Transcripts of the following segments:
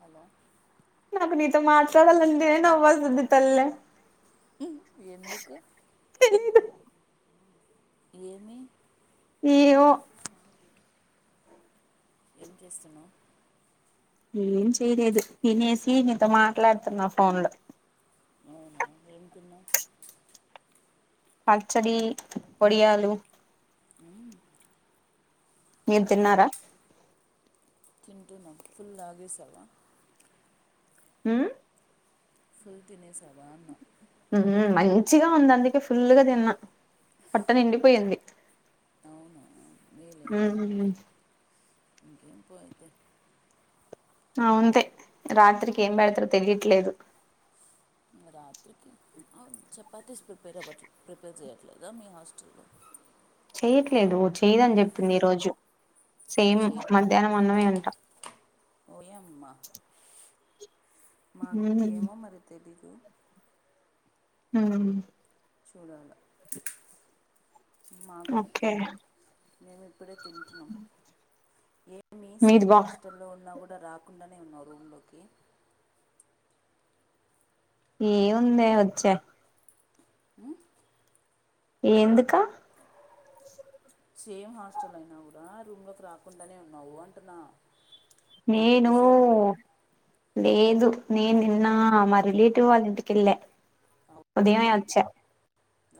Hello నాకు నీతో మాట్లాడాలనంటే నవ్వ్ వస్తంది తల్లే ఎందుకు తెలియదు. ఏమి ఏవో ఏం చేస్తున్నావ్ ఏం చేయలేదు తినేసి నీతో మాట్లాడుతున్నా ఫోన్ లో అవునా ఏం తిన్నావ్ పచ్చడి ఓడియాలు మీరు తిన్నారా తింటూన్నాం ఫుల్ లాగేసవ హ్మ్ ఫుల్ తినేసాను హ్మ్ మంచిగా ఉంది అందుకే ఫుల్ గా దిన్నా పొట్ట నిండిపోయింది అవునా హ్మ్ ఇంకేంపో అయితే ఆ ఉంతే రాత్రికి ఏం పెడతారొ తెలిట్లేదు రాత్రికి ఆ చేపతిస్ ప్రిపేర్ అవ్వట్లే ప్రిపేర్ చేయట్లేదా మీ హాస్టల్లో చెయ్యట్లేదు చేయదని చెప్పింది ఈ రోజు సేమ్ మధ్యాహ్నం అన్నమే ఉంది ఓ యమ్మ మాక్ ఉమ్ ఏమో మరి తెలీదు హ్మ్ చూడాల ఓకే మేము ఇప్పుడే తింటున్నాం ఏ మి మీది సేమ్ బా హాస్టల్లో ఉన్నా కూడా రాకుండానే [inaudible] ఏం ఉందే వచ్చే ఎందుకు సేమ్ హాస్టల్ అయినా కూడా రూమ్ లోకి రాకుండానే ఉన్నావు అంటున్నా అంత నేను బిజీ అయిపోయినావు లేదు నేను నిన్న మా రిలేటివ్ వాళ్ళ ఇంటికి ఏళ్ల అవునా ఉదయంమే వచ్చా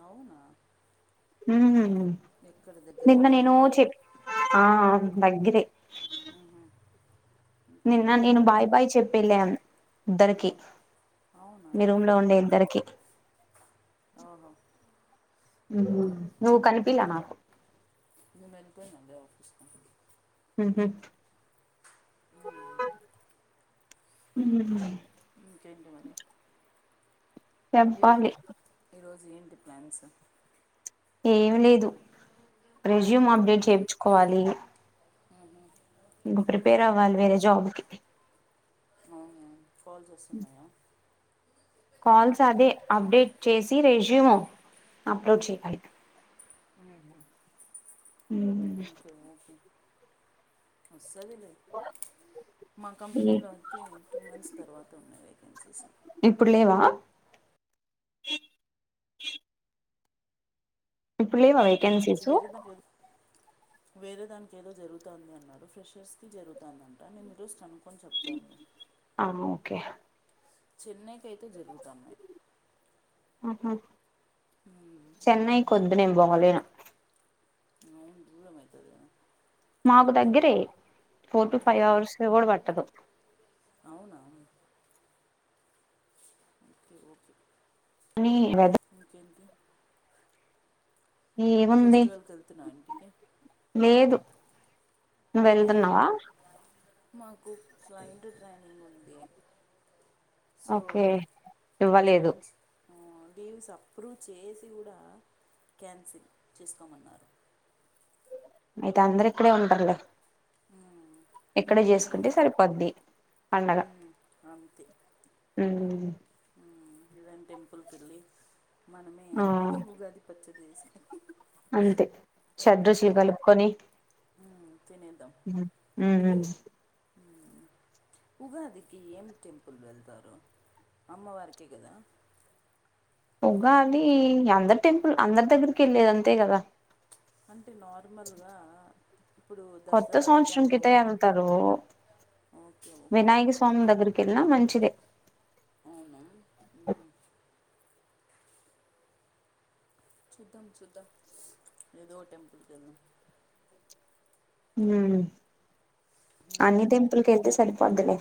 అవునా హ్మ్ ఎక్కడ నిన్న దగ్గరేనా నేను చె ఆ దగ్గరే అ నిన్న నేను బాయ్ బాయ్ చెప్పేళ్ళం ఆ, ఇద్దరికి మీ రూమ్ లో ఉండే ఇద్దరికి ఆహా నువు కనిపిలా నా ఇ మనుపోనాడిఫస్ హ ఉ ఇకంట మరి చెంపాలి జిఎంంటిడి ప్లాన్స్ ఏమి లేదు రెజ్యూమ్ అప్డేట్ చేయించుకోవాలి ఆ ఇంకా ప్రిపేర్ అవాలి వేర జాబ్కి ఆ ఫాల్ చేస్తుంది మయా కాల్స్ అదే అప్డేట్ చేసి రెజ్యూమ్ అప్లోడ్ చేయాలి హ ఉమ్ ఓకే ఓకే సదిలేదు మా ఏ కంపెనీలో అతే టూ మంత్స్ తర్వాత ఉన్నాయి వేకెన్సీస్ ఇప్పుడు లేవా ఇప్పుడు లేవా వేకెన్సీసు వేరే దానికి వేరే దానికి ఏదో జరుగుతుంది అన్నాడు ఫ్రెషర్స్ కి జరుగుతుంది అంట నేను రజ అనును ఆ ఓకే చెన్నైకి అయితే జరుగుతాన్నా ఆహ చెన్నై కొంత నేను గమలేను నేను అవును దూరమతేరు మాకు దగ్గరే four to five um, hours కూడా పట్టదు అవునా కానీ వెదర్ ఇంకే ఇకే ఏముంది వెళ్తున్నావు ఇంటికి లేదు ను ఏ వెళ్తున్నావా మాకు ఫ్లైట్ ట్రైనింగ్ ఉంది సో ఓకే ఇవ్వలేదు ఛాన్స్ లీవ్స్ అప్రూవ్ చేసి కూడా క్యాన్సిల్ చేసుకోమన్నారు అయితే అందరు ఇక్కడే ఉంటర్లే ఉ ఇక్కడ చేసుకుంటే సరిపోద్ది పండగ ఉమ్, మ్ ఇదన్ టెంపుల్కి వెళ్ళి మనమే ఆ ఉగాది పచ్చ అ అంతే షడ్రుచులు కలుపుకొని ఉమ్, తినేద్దాం ఉమ్ ఉమ్. ఉగాదికి ఏం టెంపుల్ వెళ్తారు అమ్మవారికి కదా ఉగా అది అందరు టెంపుల్ అందరి దగ్గరికి వెళ్ళలేద అంతే కదా అ అటి నార్మల్గా ఇప్పుడు కొత్త దసరా అయితే సంవత్సరం కిటా అమ్మవారు వెళ్తారు ఓకే ఓకే వినాయక స్వామి దగ్గరికి క ఎలా మంచిద అవునా శద్ధం శద్ద్దం అదో టెంపుల్ కద అన్ని టెంపుల్క వెళ్తే సరిపోదులే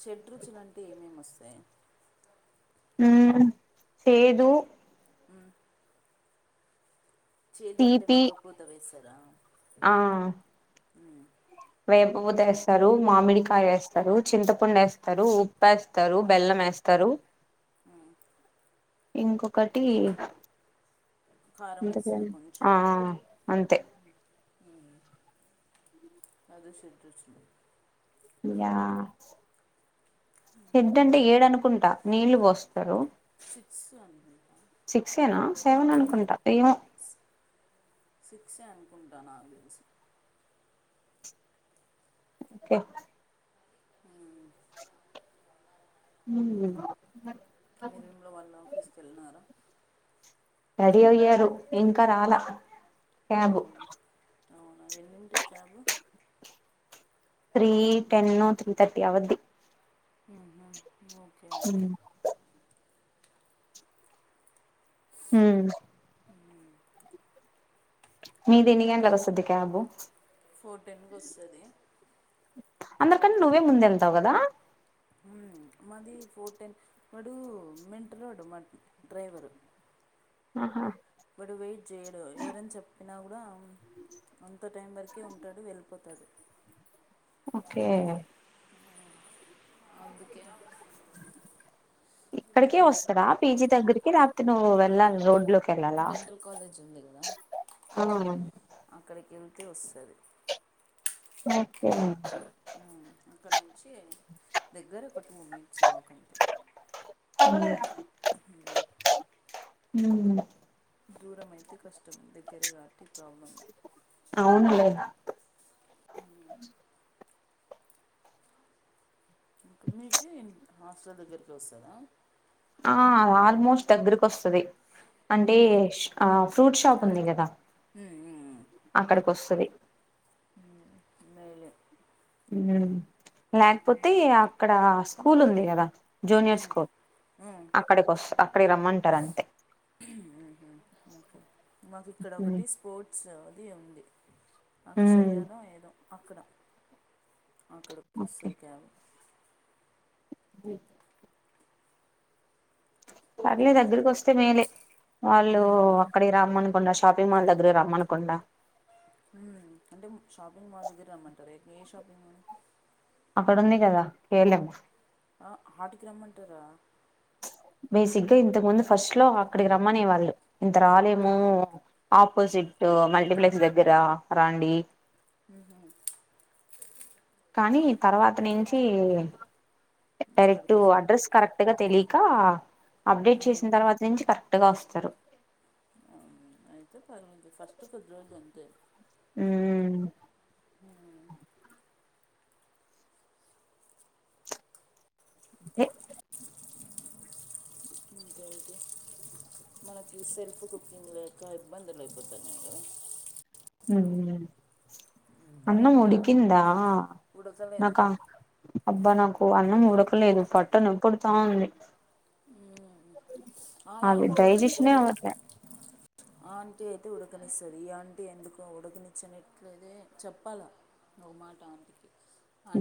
షడ రుచిలుంటే ఏమేమి వస్తుంది చేేదు అ చేదు అంటే తీపి వైపు పూత వేస్తారు ఆ ఉమ్, వే ూదేస్తారు మామిడికాయ వేస్తారు చింతపండు వేస్తారు ఉప్ప వేస్తారు బెల్లం వేస్తారు అ ఇంకొక ఒకటింత కారం వేస్తారు ఆ అంతే అది స వచ్చ హెడ్ అంటే ఏడు అనుకుంటా నీళ్ళు పోస్తారు సిక్స్ అనుకుంటా సిక్సేనా సెవెన్ అనుకుంటా ఏమో ఇసే అనుకుంట నాకే తెల్సి ఓకె ఇంక మీ రూమ్ వాళ్ళ ఆఫీస్కి వెళ్ళినారా రెడీ అయ్యారు ఇంకా రాల అవును అవున ఎన్నింటికి cab three ten three thirty అవద్ది ఆహ ఓకే ఉమ్ ఓకే ఉవ్ మీది ఎన్ని గంటలకి వస్తుంది క్యాబు చ్ ఫోర్ టెన్ కోస్తది అందరి కన్న నువ్వే ముందె వెళ్తావు కదా ఉమ్ మది ఫోర్ టెన్ వడూ మెంటలోడు మా డ్రైవరు ఆహ వాడు వెయిట్ చేయడు ఎవరెన్ చెప్పినా కూడా అంత టైం వరకే ఉంటాడు వెళ్ళిపోతాడు ఓకే అందుకే ఇక్కడికె వస్తడా పీజి దగ్గరికి రాత్రినే గదా వెళ్ళాలి రోడ్ లోకి వెళ్ళాలా డెంటల్ కాలేజ్ ఉంది కదా ఆ అక్కడికి వె తే వస్తది ఓకె హ్మ్మ్ అక్కడ నుంచి దగ్గర ఒక టూ మినిట్స్ వాక్ అంతె హుమ్ దూరం అయితే కష్టం దగ్గరే కాబట్టి ప్రాబ్లం లె అవును లె ఇంక మీకి హాస్టల్ దగ్గరికి వస్తాదా ఆ ఆల్మోస్ట్ దగ్గరకు వస్తది అంటె ఉమ్, ఆ ఫ్రూట్ షాప్ ఉంది గదా ఉమ్, అక్కడికి వస్తది ఉమ్ మే లె హ్మ్మ్. ల్యాకపోతే అక్కడ స్కూల్ ఉంది కదా జూనియర్ ఉమ్, స్కూల్ ఉమ్, అక్కడికి వస్తా అక్కడికి రమ్మంటారు అంతే ఓకే మాకు ఇక్కడ ఒకటి స్పోర్ట్స్ ది ఉంది హ్మ్ అక్షయద ఏదొ అక్కడ అక్కడికి ఓకే వస్తాది క్యాబు [inaudible] పర్లే దగ్గరకి వస్తే మేలే వాళ్ళు ఉమ్, అక్కడ రామ్మని గుండ షాపింగ్ మాల్ దగ్గర రమ్మనుకుండా హ్మ్మ్ అంటే షాపింగ్ మాల్ దగ్గర రమ్మంటారు ఏ షాపింగ్ మాల్ అక్కడుంది కదా కేలము ఆ హాటికి రమ్మంటారా బేసిక్గా ఇంతకు ముందు ఫస్ట్ లో అక్కడికి రమ్మనే వాళ్ళు ఇంత రాలేమో ఆపోజిట్ మల్టీప్లెక్స్ దగ్గర రండి హ కానీ తర్వాత నుంచి డైరెక్ట్ ఇక్కడికి వస్త అడ్రెస్ కరెక్ట్గా తెలీకా అప్డేట్ చేసిన తర్వాత నుంచి కర అట్గా వస్తారు అయితే పర్ంది ఫస్ట్ ఫిబ్రవరి అంతే ఉమ్ అ హ ఇంకేంటి మనకి సెల్ఫ్ కుకింగ్ క ఇబ్బందులు అయిపోతున్నా క అన్న ముడికిందా ఉడకలేదు నాకా అబ్బా నా నాకు అన్నం ఉడకలేదు పట్టను ఎ పడుతా ఉంది ఆ అది ఆంటీ అయితే డైజెషనే అవట్లే ఆంటీ అయితే ఉడకనిస్తుంది ఈ ఆంటీ ఎందుకో ఉడకనిచ్చినట్లద చెప్పాలా నవ మాట ఆంటీకి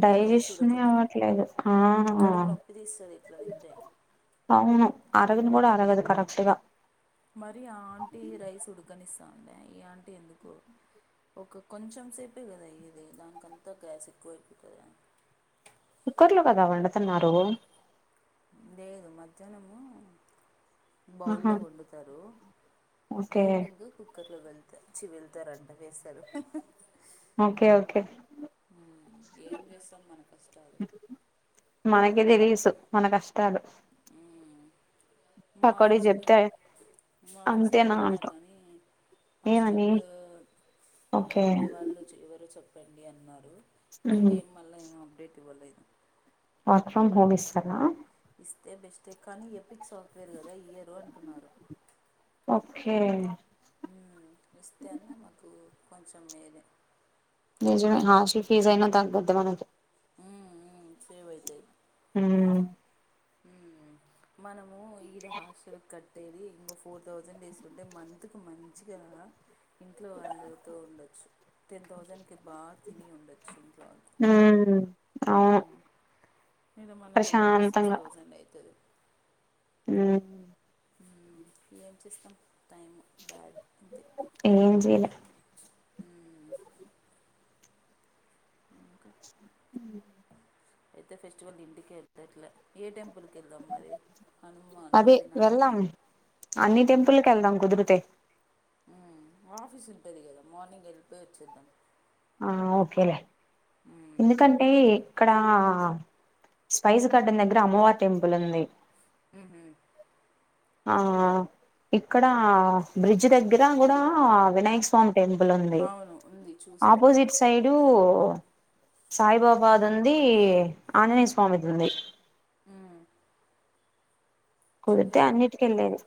డైజెషన్ ఇవ్వట్లేదు కడు నప్పి తీసది ఇట్ల నిందే అవును అరగను కూడా అరగదు కరెక్ట్గా మరి ఆంటీ రైస్ ఉడకనిస్తాను అే ఈ ఆంటీ ఎందుకు ఒక కొంచెం సేపే కదా ఇది దానికంతా గ్యాస్ ఎక్కువ అయిపోయి కదా కుక్కర్లు కదా వండుతున్నారు లేదు మధ్యాహ్నము బౌల్ ఆహా లో వండుతారు ఓకే ఈవినింగ్ కుక్కర్ లో వెళ్త చివిలతో రెం వే ఓకే ఓకే ఏం చేస్తాం మన కష్టాలు అ తెలీసు మన కష్టాలు మ్మ్. మా పకోడి ఆఫీస్లో చెప్తే మా ఆఫీస్లో అంతేనా అంట అడిగినారు కానీ ఏమని హాస్టల్లోలో ఓకే ఉండే వాళ్ళు ఎవరు చెప్తారు పెండి అన్నారు ఉమ్. ఇంకాేం మళ్ళ ఏమో అప్డేట్ ఇవ్వలేదు వర్క్ ఫ్రమ్ హోమ్ ఇస్తారా ఇస్తే బెస్ట్ క్ కానీ ఎపిక్ సాఫ్ట్వేర్ కదా ఇయరు అంటున్నారు ఓకే ఇస్తే అన్న మాకు కొంచెం వేరే నిజమే హాస్టల్ ఫీజ్ అయినా తగ్గుద్ది మనకి సేవ్ హ హ మనము ఈడ హాస్టల్ కట్ బేబీ ఇంగో ఫోర్ తౌసండ్ తీసుకుంటే మంత్ కి మంచిది అని రా ఇంట్లో అందరితో ఉండొచ్చు టెన్ తౌసండ్ కి బాగా తిని ఉండొచ్చు ఇంట్లో వాళ్ళు ఉమ్ అవును హుమ్మ్ మీద మనకు ఒకటే సిక్స్ ప్రశాంతంగా తౌసండ్ అయితది ఉహు హుమ్మ్ ఏం చేస్తాం టైం బ్యాడ్ అంతే ఏం చేయలే మ్మ్. ఇంకా ఉమ్మ్ అయితే ఫెస్టివల్ ఇంటికె ఎత్తట్లే ఏ టెంపుల్ అదే వినాయక వెళ్దాం అన్ని టెంపుల్ కెళ్దాం కుదిరితే ఉమ్మ్ ఆఫీస్ ఉంటుంది కదా మార్నింగ్ వెళ్ళిపోయి వచ్చేద్దాం ఆ ఓకేలే మ్మ్. ఎందుకంటే ఇక్కడా స్పైస్ గార్డెన్ దగ్గర అమ్మవారి టెంపుల్ ఉంది ఉహుమ్ ఆ ఇక్కడ బ్రిడ్జ్ దగ్గర కూడా వినాయక స్వామి టెంపుల్ ఉంది అవును ఉంది చూసా ఆపోజిట్ సైడు సాయిబాబా ది ఉంది ఆంజనేయ స్వామిది ఉంది హుమ్మ్ కుదిరితే అన్నిటికెళ్ళేది